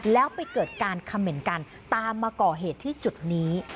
แล้วไปเกิดการคำเหม็นกันตามมาก่อเหตุที่จุดนี้